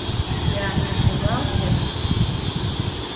Vuyane buxgaltêra?